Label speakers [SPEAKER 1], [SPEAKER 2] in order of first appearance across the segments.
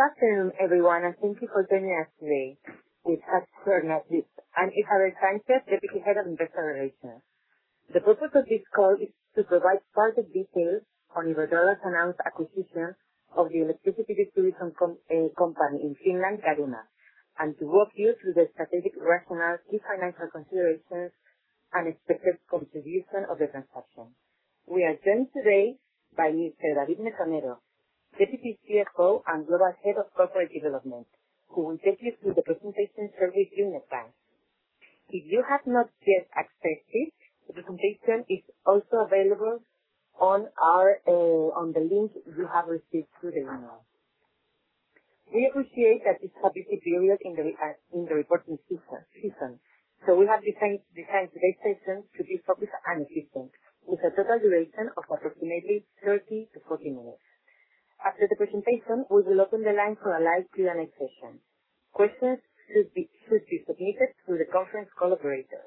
[SPEAKER 1] Good afternoon, everyone, and thank you for joining us today. This is Isabel Sanchez, Deputy Head of Investor Relations. The purpose of this call is to provide further details on Iberdrola's announced acquisition of the electricity distribution company in Finland, Caruna, and to walk you through the strategic rationale, key financial considerations, and expected contribution of the transaction. We are joined today by Mr. David Mesonero, Deputy CFO and Global Head of Corporate Development, who will take you through the presentation shared with you in advance. If you have not yet accessed it, the presentation is also available on the link you have received through the email. We appreciate that this is a busy period in the reporting season, we have designed today's session to be focused and efficient, with a total duration of approximately 30-40 minutes. After the presentation, we will open the line for a live Q&A session. Questions should be submitted through the conference call operator.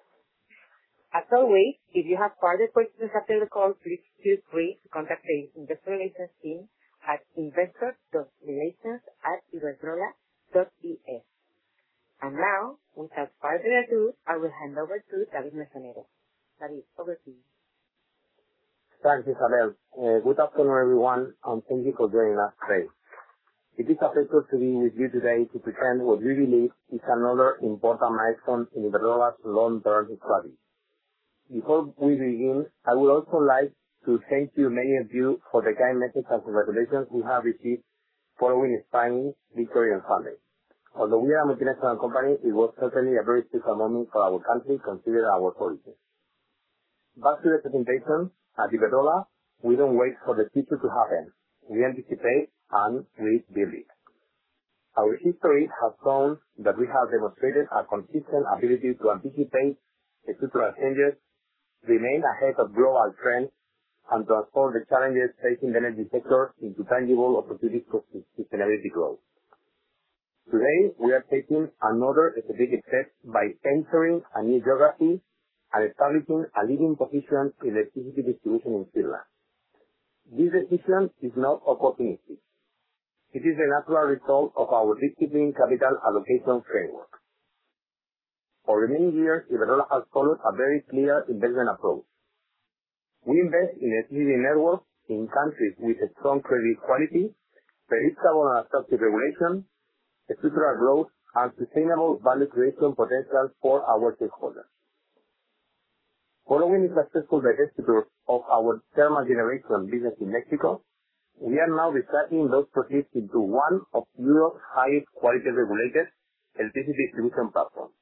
[SPEAKER 1] As always, if you have further questions after the call, please feel free to contact the investor relations team at investor.relations@iberdrola.es. Now, without further ado, I will hand over to David Mesonero. David, over to you.
[SPEAKER 2] Thanks, Isabel. Good afternoon, everyone, and thank you for joining us today. It is a pleasure to be with you today to present what we believe is another important milestone in Iberdrola's long-term strategy. Before we begin, I would also like to thank many of you for the kind messages of congratulations we have received following Spain's victory on Sunday. Although we are a multinational company, it was certainly a very special moment for our country, considering our history. Back to the presentation. At Iberdrola, we don't wait for the future to happen. We anticipate and we build it. Our history has shown that we have demonstrated a consistent ability to anticipate structural changes, remain ahead of global trends, and transform the challenges facing the energy sector into tangible opportunities for sustainable growth. Today, we are taking another strategic step by entering a new geography and establishing a leading position in electricity distribution in Finland. This decision is not opportunistic. It is the natural result of our disciplined capital allocation framework. For many years, Iberdrola has followed a very clear investment approach. We invest in electricity networks in countries with a strong credit quality, predictable and attractive regulation, structural growth, and sustainable value creation potential for our shareholders. Following the successful divestiture of our thermal generation business in Mexico, we are now reinvesting those proceeds into one of Europe's highest quality regulated electricity distribution platforms.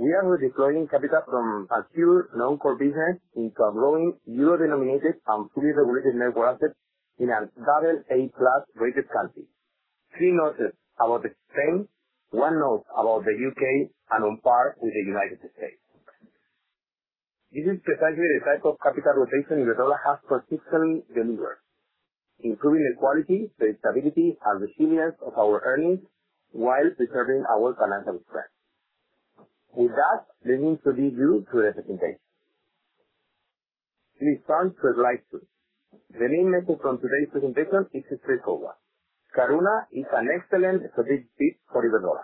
[SPEAKER 2] We are redeploying capital from a pure non-core business into a growing euro-denominated and fully regulated network asset in an AA plus rated country. Three notches above Spain, one notch above the U.K., and on par with the United States. This is precisely the type of capital rotation Iberdrola has consistently delivered, improving the quality, predictability, and resilience of our earnings while preserving our financial strength. With that, let me introduce you to the presentation. Please turn to slide two. The main message from today's presentation is straightforward. Caruna is an excellent strategic fit for Iberdrola.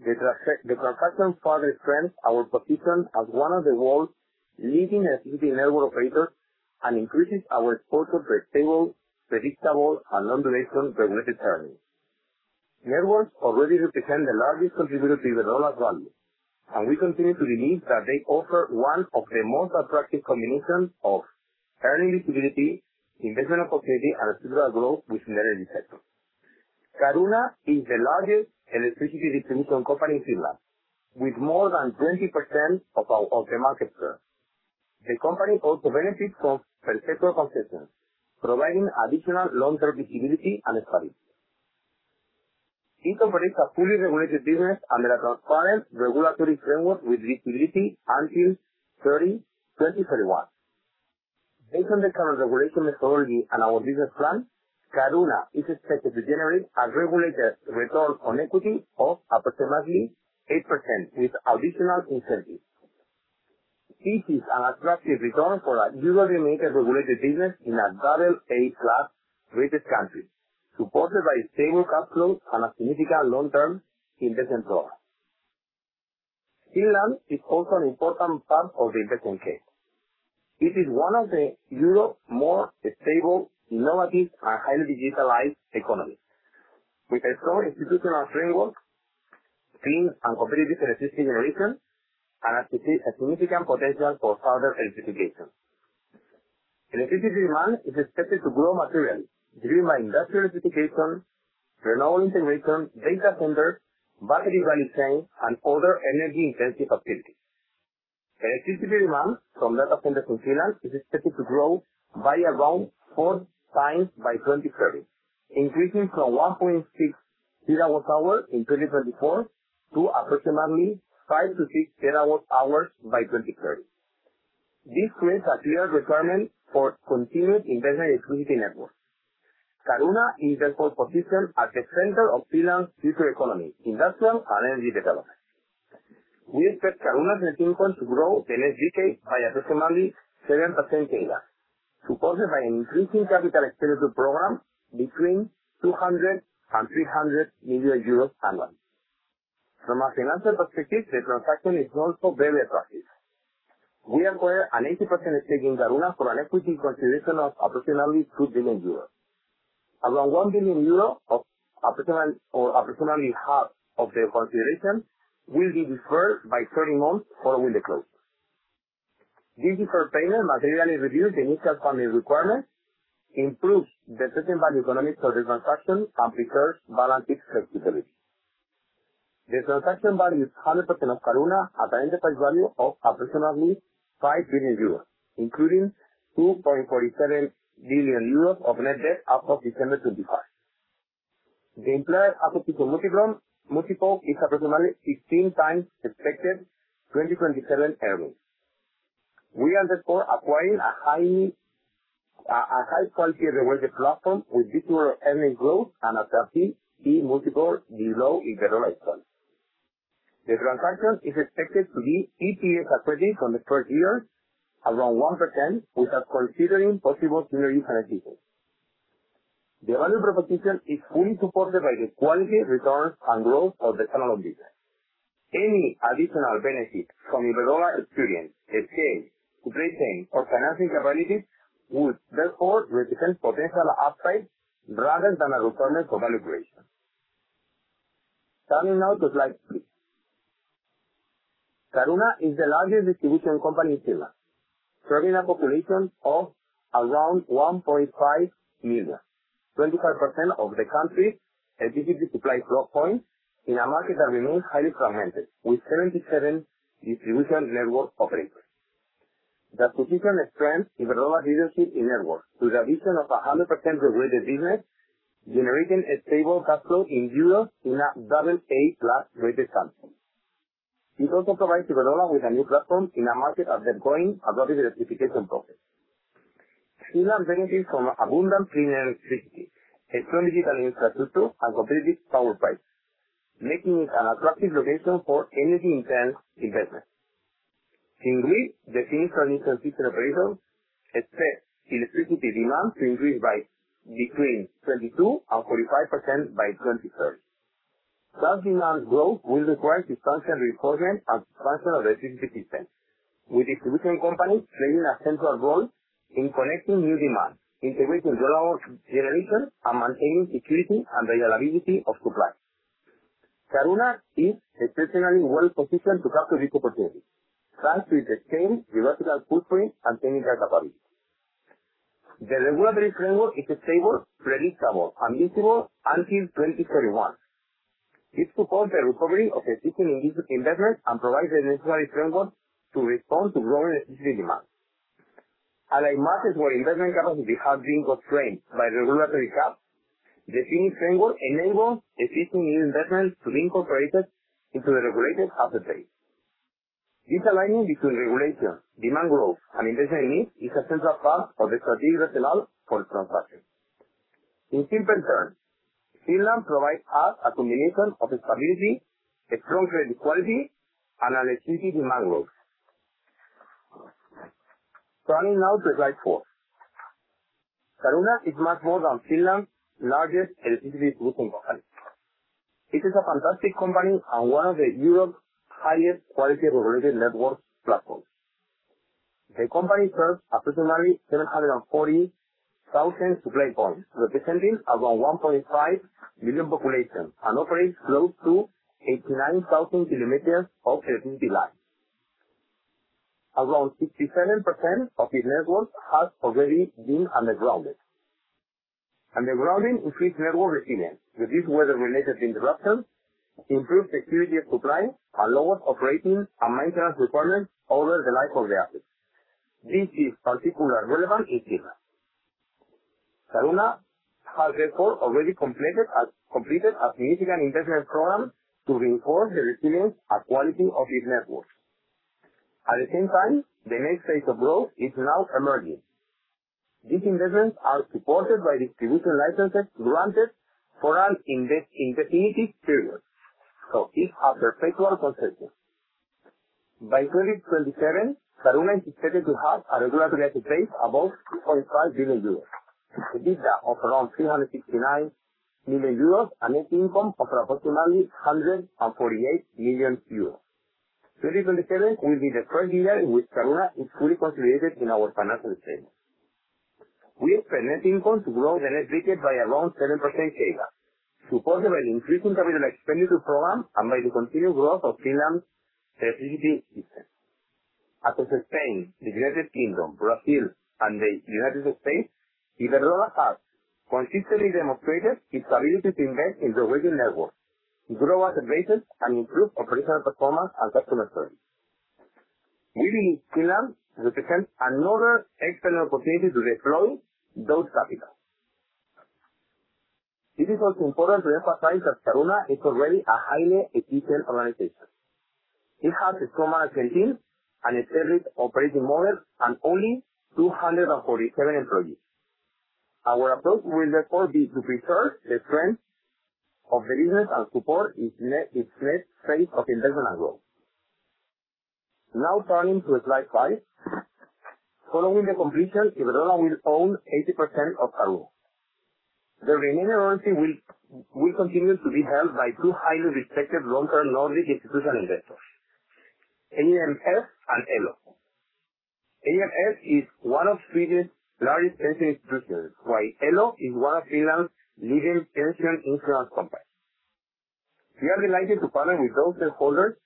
[SPEAKER 2] The transaction further strengthens our position as one of the world's leading electricity network operators and increases our exposure to stable, predictable, and long-duration regulated earnings. Networks already represent the largest contributor to Iberdrola's value, and we continue to believe that they offer one of the most attractive combinations of earnings visibility, investment opportunity, and structural growth within the energy sector. Caruna is the largest electricity distribution company in Finland, with more than 20% of the market share. The company also benefits from perpetual concessions, providing additional long-term visibility and stability. It operates a fully regulated business under a transparent regulatory framework with visibility until 2031. Based on the current regulation methodology and our business plan, Caruna is expected to generate a regulated return on equity of approximately 8% with additional incentives. This is an attractive return for a euro-denominated regulated business in an AA plus rated country, supported by stable cash flows and a significant long-term investment program. Finland is also an important part of the investment case. It is one of Europe's more stable, innovative, and highly digitalized economies, with a strong institutional framework, clean and competitive electricity generation, and a significant potential for further electrification. Electricity demand is expected to grow materially, driven by industrial electrification, renewable integration, data centers, battery value chain, and other energy-intensive activities. Electricity demand from data centers in Finland is expected to grow by around 4x by 2030, increasing from 1.6 TWh in 2024 to approximately 5-6 TWh by 2030. This creates a clear requirement for continued investment in electricity networks. Caruna is therefore positioned at the center of Finland's future economy, industrial, and energy development. We expect Caruna's net income to grow in the next decade by approximately 7% CAGR, supported by an increasing capital expenditure program between 200 million-300 million euros annually. From a financial perspective, the transaction is also very attractive. We acquire an 80% stake in Caruna for an equity consideration of approximately 2 billion euros. Around 1 billion euros, or approximately half of the consideration, will be deferred by 20 months following the close. This deferred payment materially reduces the initial funding requirement, improves the present value economics of the transaction, and preserves balance sheet flexibility. The transaction value is 100% of Caruna at an enterprise value of approximately 5 billion euros, including 2.47 billion euros of net debt as of December 25. The implied adjusted multiple is approximately 15x expected 2027 earnings. We are, therefore, acquiring a high-quality regulated platform with visible earnings growth and attractive key multiples below Iberdrola's cost. The transaction is expected to be EPS accretive from the first year, around 1%, without considering possible synergies and efficiencies. The value proposition is fully supported by the quality, returns, and growth of the current owner business. Any additional benefit from Iberdrola experience, scale, supply chain, or financing capabilities would, therefore, represent potential upside rather than a requirement for valuation. Turning now to slide three. Caruna is the largest distribution company in Finland, serving a population of around 1.5 million, 25% of the country's electricity supply flow points in a market that remains highly fragmented, with 77 distribution network operators. The acquisition strengthens Iberdrola's leadership in networks through the addition of 100% regulated business, generating a stable cash flow in euros in an AA plus rated country. It also provides Iberdrola with a new platform in a market undergoing a rapid electrification process. Finland benefits from abundant clean electricity, a strong digital infrastructure, and competitive power price, making it an attractive location for energy-intensive investment. Indeed, the Finnish transmission system operator expects electricity demand to increase between 22% and 45% by 2030. Such demand growth will require substantial reinforcement and expansion of the electricity system, with distribution companies playing a central role in connecting new demand, integrating renewable generation, and maintaining security and reliability of supply. Caruna is exceptionally well-positioned to capture this opportunity, thanks to its scale, geographical footprint, and technical capabilities. The regulatory framework is stable, predictable, and visible until 2031. This supports the recovery of existing electricity investments and provides the necessary framework to respond to growing electricity demand. Unlike markets where investment capacity has been constrained by regulatory caps, the Finnish framework enables existing new investments to be incorporated into the regulated asset base. This alignment between regulation, demand growth, and investment needs is a central part of the strategic rationale for the transaction. In simple terms, Finland provides us a combination of stability, a strong credit quality, and an electricity demand growth. Turning now to slide four. Caruna is much more than Finland's largest electricity distribution company. It is a fantastic company and one of Europe's highest quality regulated network platforms. The company serves approximately 740,000 supply points, representing around 1.5 million population, and operates close to 89,000 km of electricity lines. Around 67% of its network has already been undergrounded. Undergrounding increases network resilience, reduces weather-related interruptions, improves security of supply, and lowers operating and maintenance requirements over the life of the assets. This is particularly relevant in Finland. Caruna has, therefore, already completed a significant investment program to reinforce the resilience and quality of its network. At the same time, the next phase of growth is now emerging. These investments are supported by distribution licenses granted for an indefinite period. It's a perpetual concession. By 2027, Caruna is expected to have a regulatory asset base above 2.5 billion euros, EBITDA of around 369 million euros, and net income of approximately 148 million euros. 2027 will be the first year in which Caruna is fully consolidated in our financial statements. We expect net income to grow in the next decade by around 7% CAGR, supported by the increasing capital expenditure program and by the continued growth of Finland's electricity system. After Spain, the United Kingdom, Brazil, and the United States, Iberdrola has consistently demonstrated its ability to invest in regulated networks, grow rate bases, and improve operational performance and customer service. Leading in Finland represents another excellent opportunity to deploy those capitals. It is also important to emphasize that Caruna is already a highly efficient organization. It has a strong management team and established operating model and only 247 employees. Our approach will therefore be to preserve the strength of the business and support its next phase of investment growth. Turning now to slide five. Following the completion, Iberdrola will own 80% of Caruna. The remaining minority will continue to be held by two highly respected long-term Nordic institutional investors, AMF and Elo. AMF is one of Sweden's largest pension institutions, while Elo is one of Finland's leading pension insurance companies. We are delighted to partner with those shareholders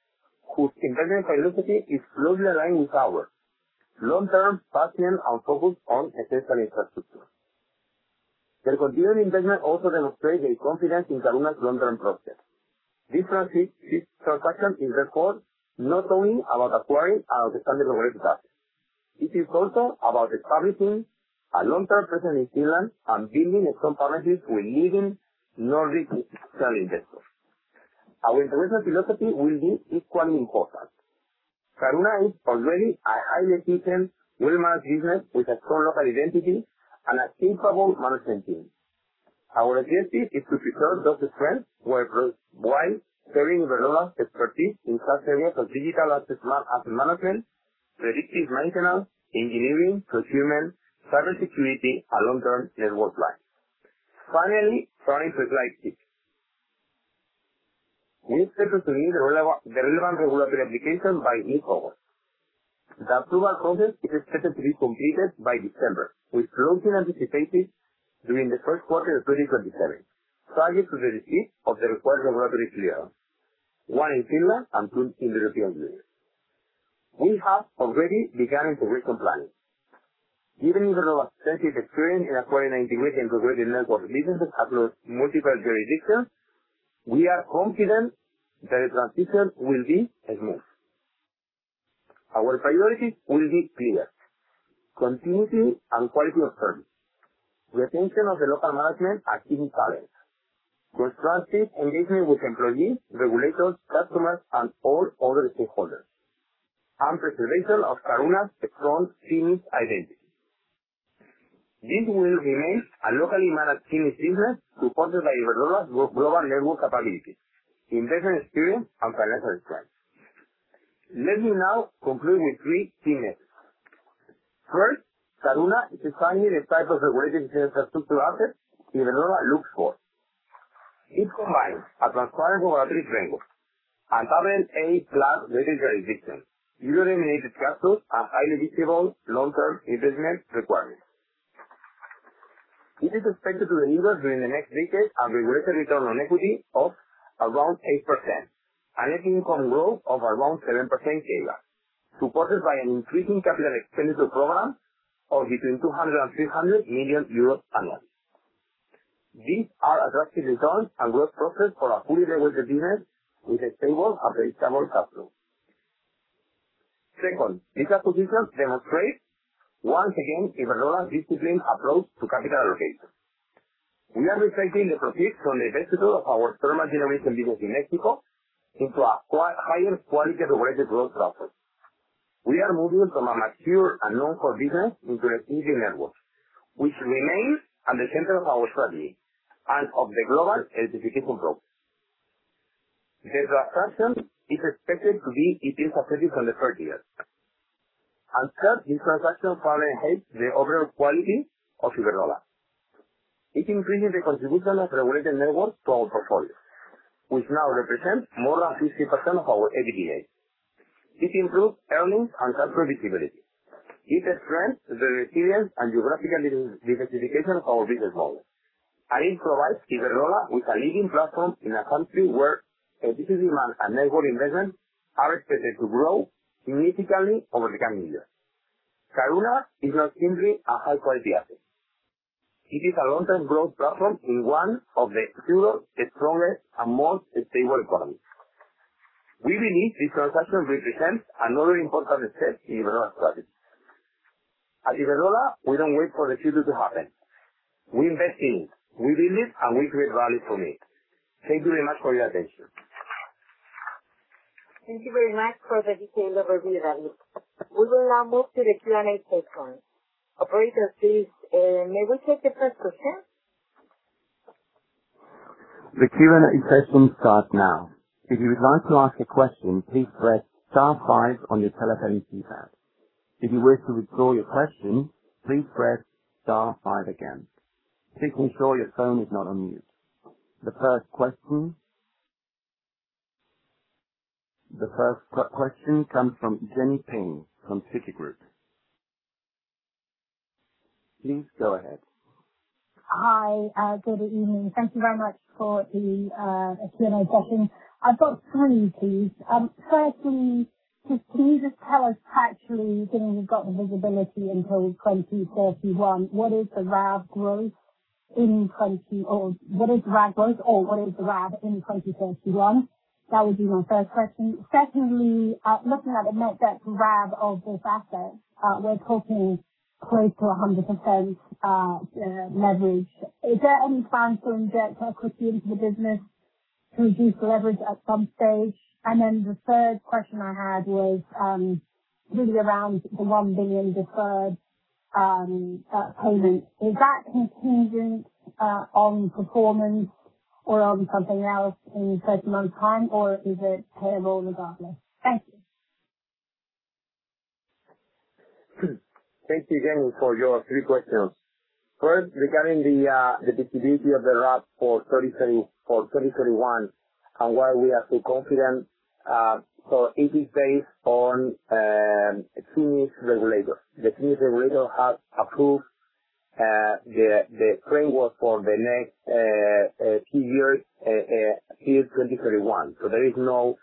[SPEAKER 2] whose investment philosophy is closely aligned with ours: long-term, patient, and focused on essential infrastructure. Their continued investment also demonstrates their confidence in Caruna's long-term process. This transaction is, therefore, not only about acquiring an outstanding regulated asset, it is also about establishing a long-term presence in Finland and building strong partnerships with leading Nordic institutional investors. Our integration philosophy will be equally important. Caruna is already a highly efficient, well-managed business with a strong local identity and a capable management team. Our objective is to preserve those strengths while sharing Iberdrola's expertise in key areas such as digital asset management, predictive maintenance, engineering, procurement, cybersecurity, and long-term network planning. Finally, turning to slide six. We expect to submit the relevant regulatory application by mid-August. The approval process is expected to be completed by December, with closing anticipated during the first quarter of 2027, subject to the receipt of the required regulatory clearance, one in Finland and two in the European Union. We have already begun integration planning. Given Iberdrola's extensive experience in acquiring and integrating regulated network businesses across multiple jurisdictions, we are confident the transition will be smooth. Our priorities will be clear: continuity and quality of service, retention of the local management and key talent, constructive engagement with employees, regulators, customers, and all other stakeholders, and preservation of Caruna's strong Finnish identity. This will remain a locally managed Finnish business supported by Iberdrola's global network capabilities, investment experience, and financial strength. Let me now conclude with three key messages. First, Caruna is exactly the type of regulated infrastructure asset Iberdrola looks for. It combines a transparent regulatory framework, an AA plus credit rating, user-eliminated capital, and highly visible long-term investment requirements. It is expected to deliver during the next decade a regulated return on equity of around 8%, a net income growth of around 7% CAGR, supported by an increasing capital expenditure program of between 200 million euros and 300 million euros annually. These are attractive returns and growth prospects for a fully regulated business with a stable and predictable cash flow. Second, this acquisition demonstrates once again Iberdrola's disciplined approach to capital allocation. We are recycling the proceeds from the divestiture of our thermal generation business in Mexico into a higher quality regulated growth platform. We are moving from a mature and non-core business into a leading network, which remains at the center of our strategy and of the global electrification growth. The transaction is expected to be EPS positive from the first year. Third, this transaction further enhances the overall quality of Iberdrola. It increases the contribution of regulated networks to our portfolio, which now represents more than 50% of our EBITDA. It improves earnings and cash flow visibility. It strengthens the resilience and geographical diversification of our business model, and it provides Iberdrola with a leading platform in a country where electricity demand and network investment are expected to grow significantly over the coming years. Caruna is not simply a high-quality asset; it is a long-term growth platform in one of Europe's strongest and most stable economies. We believe this transaction represents another important step in Iberdrola's strategy. At Iberdrola, we don't wait for the future to happen. We invest in it. We build it, and we create value from it. Thank you very much for your attention.
[SPEAKER 1] Thank you very much for the detailed overview, David. We will now move to the Q&A session. Operator, please, may we take the first question?
[SPEAKER 3] The Q&A session starts now. If you would like to ask a question, please press star five on your telephone keypad. If you wish to withdraw your question, please press star five again. Please ensure your phone is not on mute. The first question comes from Jenny Ping from Citigroup. Please go ahead.
[SPEAKER 4] Hi. Good evening. Thank you very much for the Q&A session. I've got three, please. Firstly, can you just tell us factually, given we've got the visibility until 2031, what is the RAB growth or what is the RAB in 2031? That would be my first question. Secondly, looking at the net debt RAB of this asset, we're talking close to 100% leverage. Is there any plan to inject equity into the business? To reduce the leverage at some stage. The third question I had was, really around the 1 billion deferred payment. Is that contingent on performance or on something else in a certain amount of time, or is it payable regardless? Thank you.
[SPEAKER 2] Thank you again for your three questions. First, regarding the visibility of the RAB for 2031 and why we are so confident. It is based on, Finnish regulators. The Finnish regulator has approved the framework for the next few years till 2031. There is no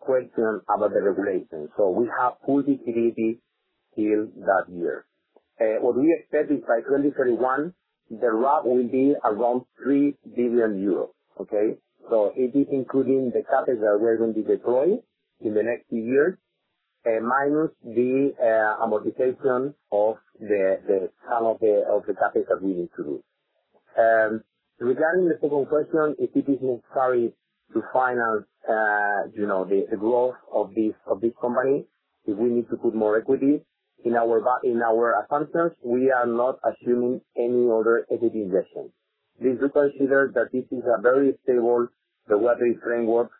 [SPEAKER 2] question about the regulation. We have full visibility till that year. What we expect is by 2031, the RAB will be around 3 billion euros. Okay? It is including the CapEx that we are going to deploy in the next few years, minus the amortization of the sum of the CapEx that we need to do. Regarding the second question, if it is necessary to finance the growth of this company, if we need to put more equity in our assumptions, we are not assuming any other equity investment. Please do consider that this is a very stable regulatory framework,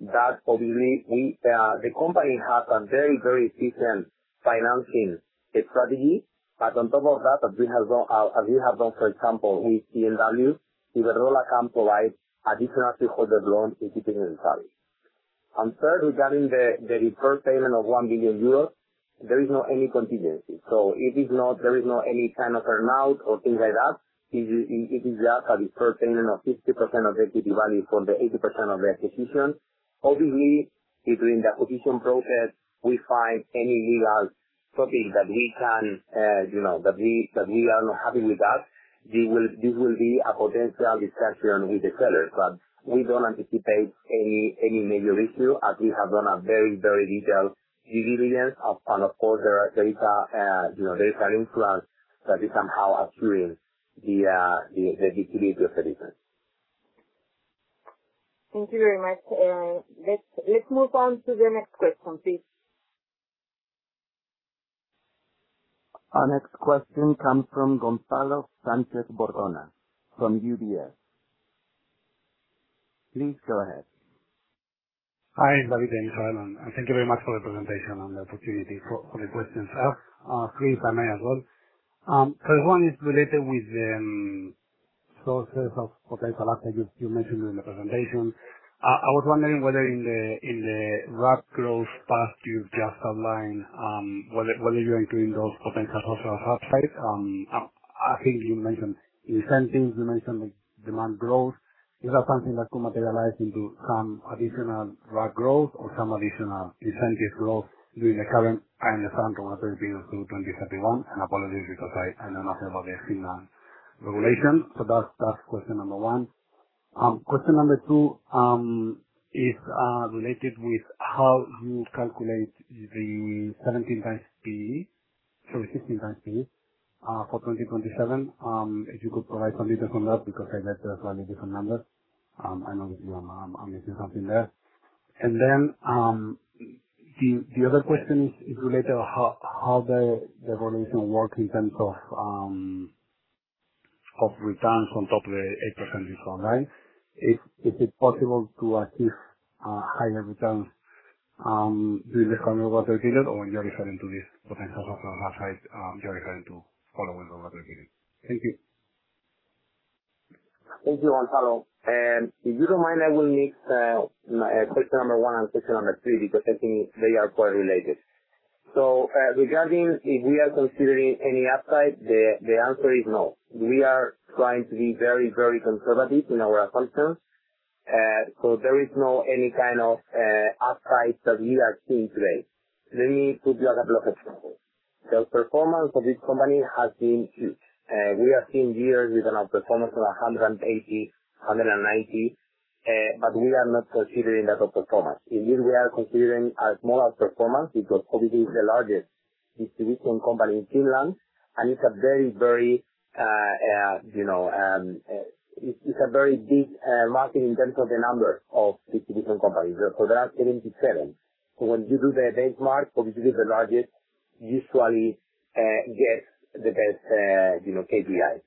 [SPEAKER 2] that obviously the company has a very efficient financing strategy. On top of that, as we have done, for example, with [CL value], Iberdrola can provide additional shareholder loans if it is necessary. Third, regarding the deferred payment of 1 billion euros, there is no any contingency. There is no any kind of earn-out or things like that. It is just a deferred payment of 50% of the equity value for the 80% of the acquisition. Obviously, if during the acquisition process, we find any legal topic that we are not happy with that, this will be a potential discussion with the seller, but we don't anticipate any major issue as we have done a very detailed due diligence of all their data influence that is somehow accruing the visibility of the business.
[SPEAKER 1] Thank you very much. Let's move on to the next question, please.
[SPEAKER 3] Our next question comes from Gonzalo Sanchez-Bordona, from UBS. Please go ahead.
[SPEAKER 5] Hi, David. I'm sorry. Thank you very much for the presentation and the opportunity for the questions. Please, I may as well. First one is related with sources of potential upside you mentioned during the presentation. I was wondering whether in the RAB growth path you've just outlined, whether you're including those potential social upside. I think you mentioned incentives, you mentioned demand growth. Is that something that could materialize into some additional RAB growth or some additional incentive growth during the current, I understand, 2030-2031, and apologies because I know nothing about the Finland regulation. That's question number one. Question number two, is related with how you calculate the 17x P/E, sorry, 16x P/E, for 2027. If you could provide some details on that, because I get a slightly different number. I know that you are missing something there. The other question is related to how the valuation work in terms of returns on top of the 8% discount rate. Is it possible to achieve higher returns during this current regulatory period, or when you're referring to these potential social upside, you're referring to following regulatory period? Thank you.
[SPEAKER 2] Thank you, Gonzalo. If you don't mind, I will mix question number one and question number three, because I think they are quite related. Regarding if we are considering any upside, the answer is no. We are trying to be very conservative in our assumptions. There is no any kind of upside that we are seeing today. Let me put you a couple of examples. The performance of this company has been huge. We are seeing years with an outperformance of 180, 190, but we are not considering that outperformance. Indeed, we are considering a smaller performance because obviously it's the largest distribution company in Finland, and it's a very big market in terms of the number of distribution companies. There are 77. When you do the benchmark, obviously the largest usually gets the best KPIs.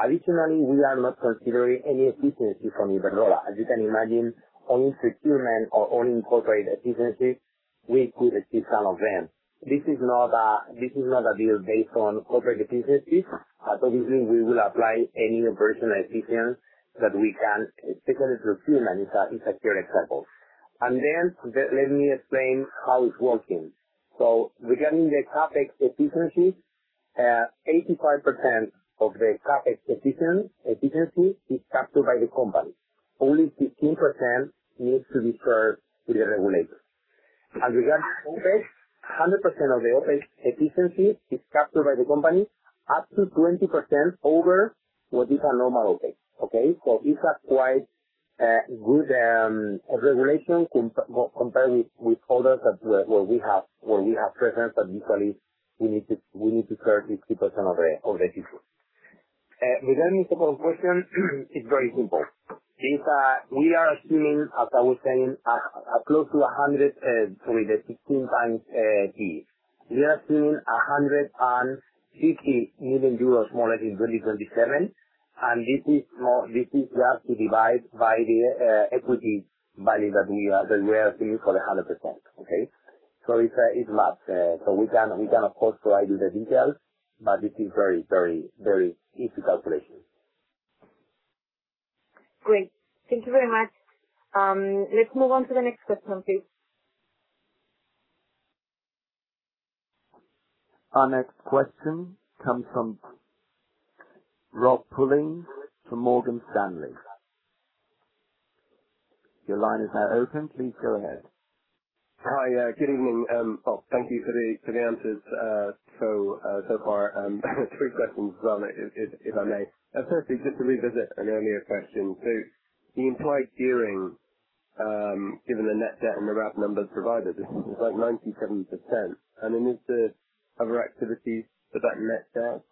[SPEAKER 2] Additionally, we are not considering any efficiency from Iberdrola. As you can imagine, owning procurement or owning corporate efficiency, we could achieve some of them. This is not a deal based on corporate efficiency, but obviously, we will apply any operational efficiency that we can, particularly procurement is a clear example. Let me explain how it's working. Regarding the CapEx efficiency, 85% of the CapEx efficiency is captured by the company. Only 15% needs to be deferred to the regulator. Regarding OpEx, 100% of the OpEx efficiency is captured by the company, up to 20% over what is a normal OpEx. Okay? These are quite good regulations compared with others where we have presence, but usually we need to serve 50% of the people. Regarding the second question, it's very simple. We are assuming, as I was saying, close to 15x EBITDA. We are assuming 150 million euros more like in 2027, this we have to divide by the equity value that we are seeing for 100%. Okay? It's math. We can, of course, provide you the details, but it is very easy calculation.
[SPEAKER 1] Great. Thank you very much. Let's move on to the next question, please.
[SPEAKER 3] Our next question comes from Rob Pulleyn from Morgan Stanley. Your line is now open. Please go ahead.
[SPEAKER 6] Hi. Good evening. Thank you for the answers so far. Three questions, if I may. Firstly, just to revisit an earlier question. The implied gearing, given the net debt and the RAB numbers provided, is like 97%, and in the other activities for that net debt,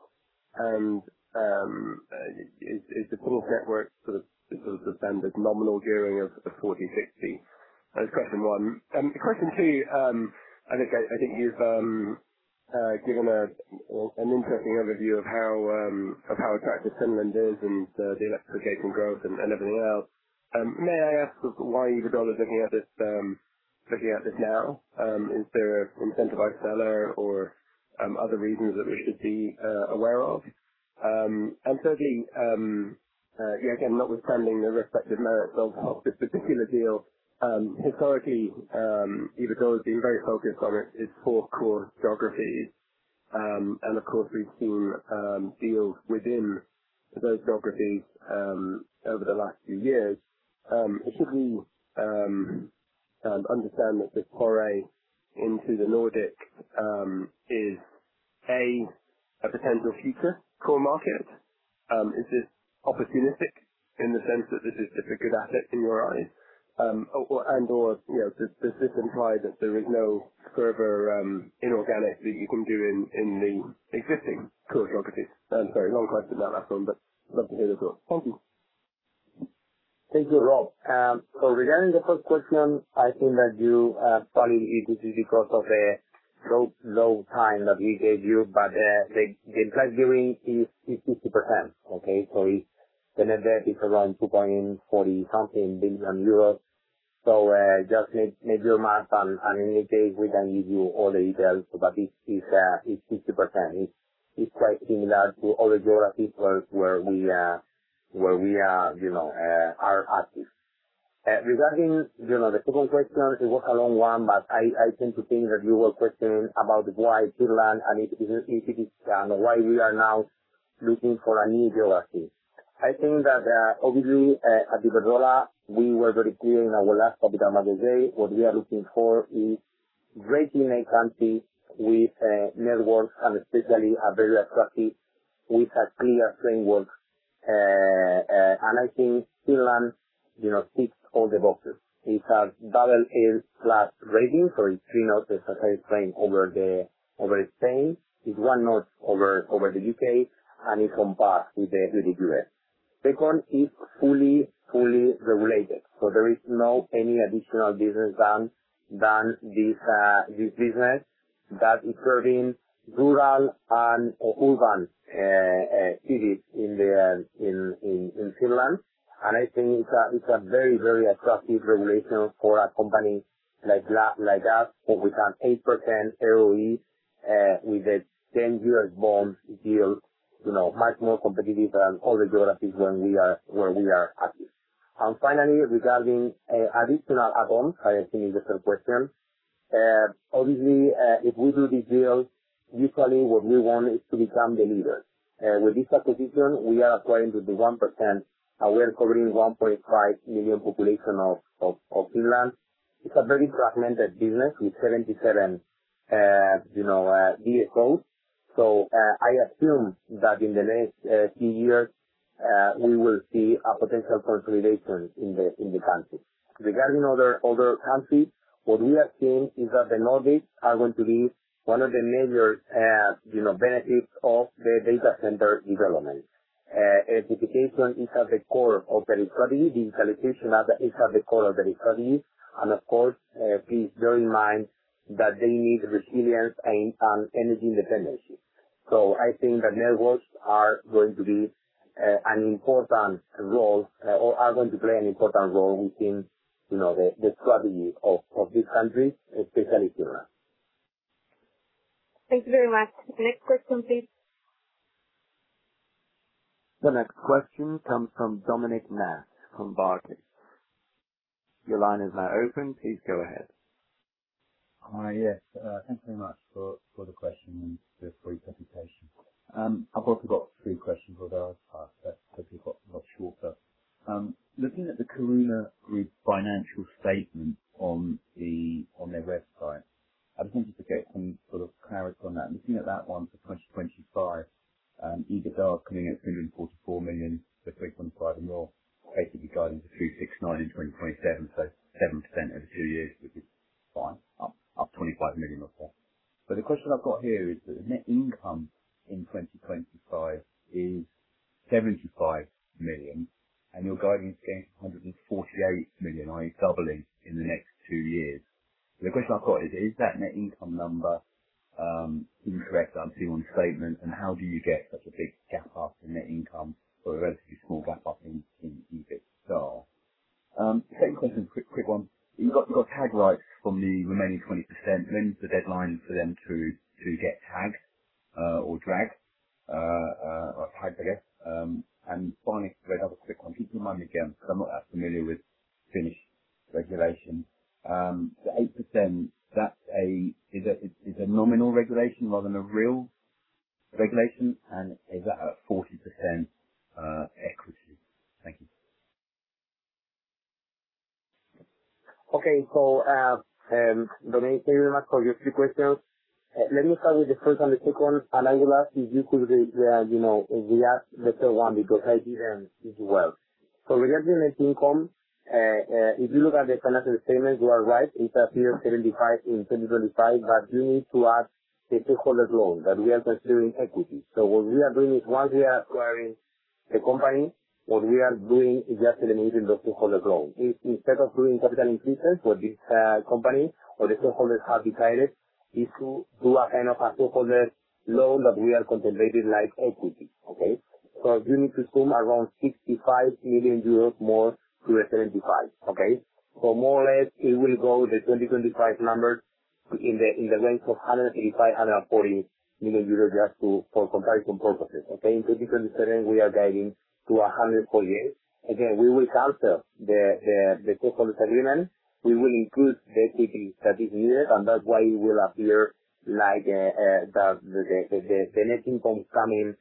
[SPEAKER 6] is the full network sort of the standard nominal gearing of 40/60? That's question one. Question two, I think you've given an interesting overview of how attractive Finland is and the electrification growth and everything else. May I ask why Iberdrola is looking at this now? Is there an incentivized seller or other reasons that we should be aware of? Thirdly, again, notwithstanding the respective merits of this particular deal, historically, Iberdrola has been very focused on its four core geographies. Should we understand that this foray into the Nordic is a potential future core market? Is this opportunistic in the sense that this is just a good asset in your eyes and/or, does this imply that there is no further inorganic that you can do in the existing core geographies? I'm very sorry. Long question, but love to hear the thoughts. Thank you.
[SPEAKER 2] Thank you, Rob. Regarding the first question, I think that you probably read this because of the low time that we gave you, but the debt gearing is 50%. Okay? The net debt is around 2.40-something billion euros. Just make your math, and in a few days, we can give you all the details, but it's 50%. It's quite similar to other geographies where we are active. Regarding the second question, it was a long one, but I tend to think that you were questioning about why Finland and if it is, why we are now looking for a new geography. I think that, obviously, at Iberdrola, we were very clear in our last Capital Markets Day, what we are looking for is breaking a country with networks, and especially a very attractive, with a clear framework, and I think Finland ticks all the boxes. It has AA class ratings, it's three notches higher frame over Spain. It's one notch over the U.K., and it compares with the U.S. Second, it's fully regulated, there is no any additional business done than this business that is serving rural and urban cities in Finland. I think it's a very attractive regulation for a company like us, where we can 8% ROE, with a 10-year bond yield, much more competitive than other geographies where we are active. Finally, regarding additional add-ons, I think is the third question. Obviously, if we do this deal, usually what we want is to become the leader. With this acquisition, we are acquiring the 1%, and we are covering 1.5 million population of Finland. It's a very fragmented business with 77, you know, DSOs. I assume that in the next few years, we will see a potential consolidation in the country. Regarding other countries, what we are seeing is that the Nordics are going to be one of the major benefits of the data center development. Electrification is at the core of the strategy. Digitalization is at the core of the strategy, and of course, please bear in mind that they need resilience and energy independence. I think that networks are going to play an important role within the strategy of these countries, especially Finland.
[SPEAKER 1] Thank you very much. Next question, please.
[SPEAKER 3] The next question comes from Dominic Nash from Barclays. Your line is now open. Please go ahead.
[SPEAKER 7] Hi. Yes. Thanks very much for the question and the presentation. I've also got three questions, but they are perhaps hopefully a lot shorter. Looking at the Caruna Group financial statement on their website, I was hoping to get some sort of clarity on that. Looking at that one for 2025, Iberdrola is coming at 344 million for 2025 and your ANP guidance for 369 million in 2027, 7% over two years. Fine. Up 25 million. The question I've got here is that the net income in 2025 is 75 million, and your guidance is against 148 million, i.e., doubling in the next two years. The question I've got is that net income number incorrect that I'm seeing on the statement, and how do you get such a big gap up in net income for a relatively small gap up in EBITDA? Same question, quick one. You've got tag rights from the remaining 20%. When is the deadline for them to get tagged or dragged? Or tagged, I guess. Finally, I have a quick one. Can you remind me again, because I'm not that familiar with Finnish regulation. The 8%, is it a nominal regulation rather than a real regulation, and is that at 40% equity? Thank you.
[SPEAKER 2] Okay. Dominic, thank you very much for your three questions. Let me start with the first and the second, and I will ask if you could re-ask the third one because I didn't hear you well. Regarding net income, if you look at the financial statements, you are right. It appears 75 million in 2025, but you need to add the shareholder loan that we are considering equity. What we are doing is once we are acquiring a company, we are just eliminating the shareholder loan. Instead of doing capital increases for this company or the shareholders have decided is to do a kind of a shareholder loan that we are contemplating like equity. Okay? You need to assume around 65 million euros more to a 75 million. Okay? More or less, it will go the 2025 numbers in the range of 135 million-140 million euros just for comparison purposes. Okay? In 2027, we are guiding to 148 million. Again, we will cancel the shareholders agreement. We will include the equity that is needed, and that's why it will appear like the net income coming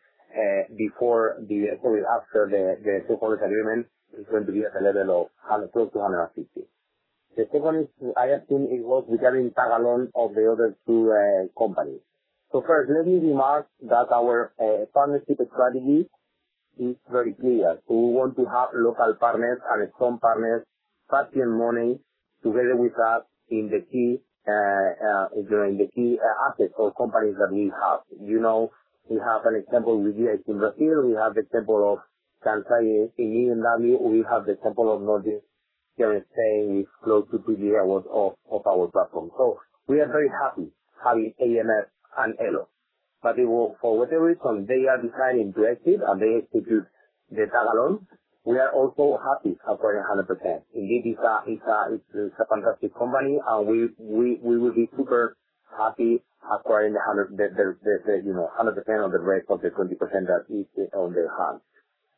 [SPEAKER 2] before the after the shareholders agreement is going to be at the level of close to EUR 150 million. The second is, I assume it was regarding tag along of the other two companies. First, let me remark that our partnership strategy is very clear. We want to have local partners and strong partners, partner in money, together with us in the key assets or companies that we have. We have an example with GIC in Brazil, we have the example of Kansai, IHI and Rabi, we have the example of Nordex here in Spain, it's close to 3 GW of our platform. We are very happy having AMF and Elo. For whatever reason, they are deciding to exit and they execute the tag along. We are also happy acquiring 100%. Indeed, it's a fantastic company, and we will be super happy acquiring the 100% of the rest of the 20% that is on their hand.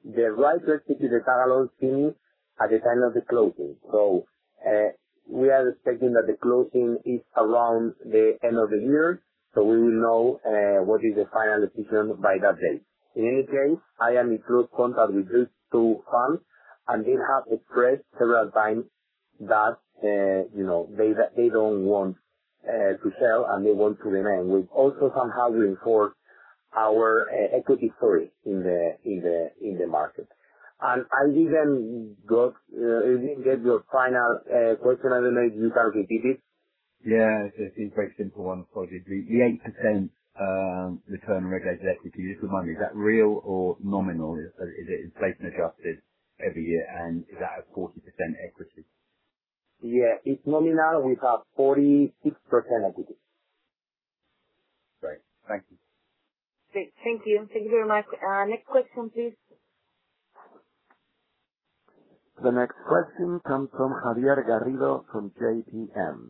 [SPEAKER 2] The right recipe to the tag along team at the time of the closing. We are expecting that the closing is around the end of the year. We will know what is the final decision by that date. In any case, I am in close contact with these two funds, and they have expressed several times that they don't want to sell, and they want to remain, which also somehow reinforce our equity story in the market. Did you then go I didn't get your final question. I don't know if you can repeat it.
[SPEAKER 7] Yeah. It's a very simple one, apologies. The 8% return regulated equity, just remind me, is that real or nominal? Is it inflation-adjusted every year, and is that at 40% equity?
[SPEAKER 2] Yeah. It's nominal. We have 46% equity.
[SPEAKER 7] Great. Thank you.
[SPEAKER 1] Great. Thank you very much. Next question, please.
[SPEAKER 3] The next question comes from Javier Garrido from JPM.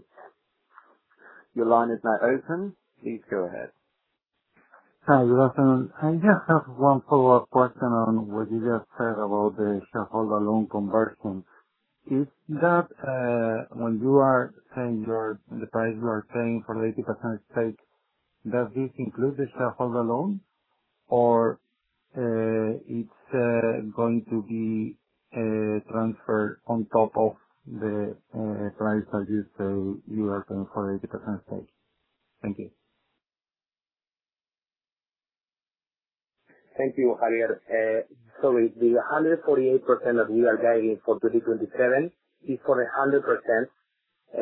[SPEAKER 3] Your line is now open. Please go ahead.
[SPEAKER 8] Hi, good afternoon. I just have one follow-up question on what you just said about the shareholder loan conversion. When you are saying the price you are paying for the 80% stake, does this include the shareholder loan? Or it's going to be transferred on top of the price that you say you are paying for 80% stake? Thank you.
[SPEAKER 2] Thank you, Javier. Sorry. The [148% that we are guiding for 2027 is for 100%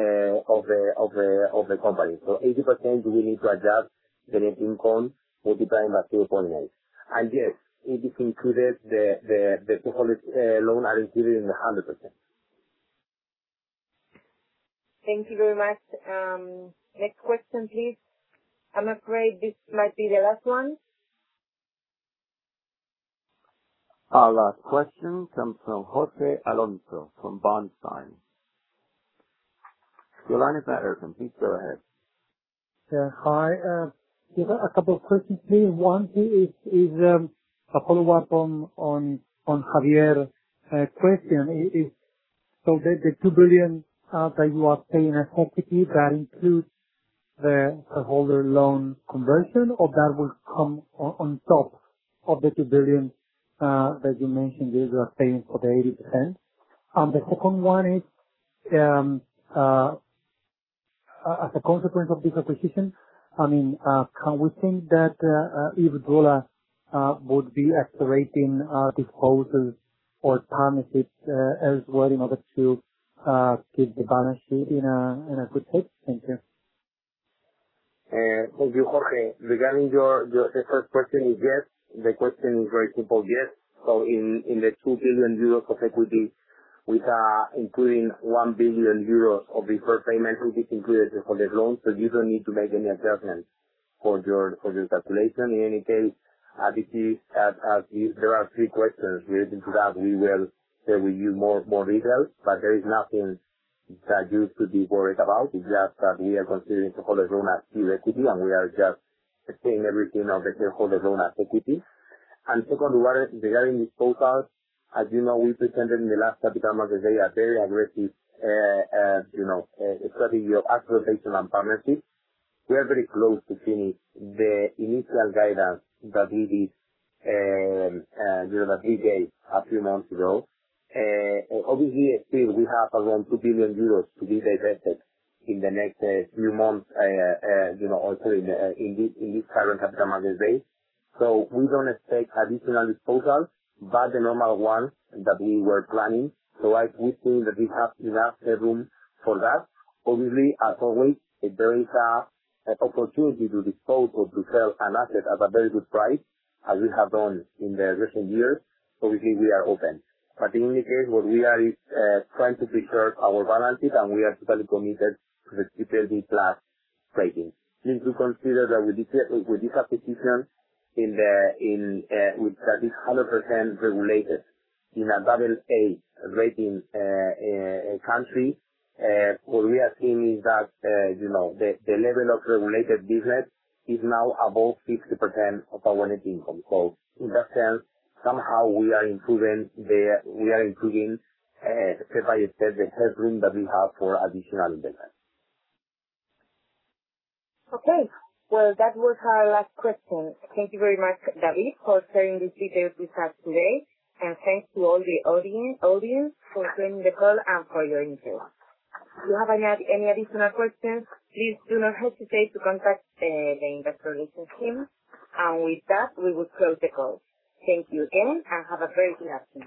[SPEAKER 2] of the company. 80%, we need to adjust the net income, multiply by 0.9. Yes, it is included the shareholder loan included in the 100%.
[SPEAKER 1] Thank you very much. Next question, please. I'm afraid this might be the last one.
[SPEAKER 3] Our last question comes from Jorge Alonso from Bernstein. Your line is now open. Please go ahead.
[SPEAKER 9] Hi. A couple of questions, please. One is a follow-up on Javier's question. The 2 billion that you are paying as equity, that includes the shareholder loan conversion, or that will come on top of the 2 billion that you mentioned you are paying for the 80%? The second one is, as a consequence of this acquisition, can we think that Iberdrola would be accelerating disposals or permits it as well in order to keep the balance sheet in a good shape. Thank you.
[SPEAKER 2] Thank you, Jorge. Regarding your first question is yes. The question is very simple, yes. In the 2 billion euros of equity, we are including 1 billion euros of the first payment, which is included for the loan. You don't need to make any adjustments for your calculation. In any case, as you see, there are three questions related to that. We will share with you more details, but there is nothing that you should be worried about. It's just that we are considering to hold our own as key equity, and we are just saying everything of the shareholder loan as equity. Second, regarding disposals, as you know, we presented in the last Capital Markets Day a very aggressive strategy of acceleration on premises. We are very close to finish the initial guidance that we gave a few months ago. Obviously, still, we have around 2 billion euros to be divested in the next few months, also in this current Capital Markets Day. We don't expect additional disposals, but the normal ones that we were planning. We think that we have enough room for that. Obviously, as always, if there is an opportunity to dispose or to sell an asset at a very good price, as we have done in the recent years, obviously, we are open. In any case, what we are is trying to preserve our balances, and we are totally committed to the BBB plus rating. Since we consider that with this acquisition, that is 100% regulated in a double A rating country, what we are seeing is that the level of regulated business is now above 60% of our net income. In that sense, somehow we are improving step by step the headroom that we have for additional investments.
[SPEAKER 1] Okay. Well, that was our last question. Thank you very much, David, for sharing these details with us today. Thanks to all the audience for joining the call and for your interest. If you have any additional questions, please do not hesitate to contact the Investor Relations team. With that, we will close the call. Thank you again, and have a very good afternoon.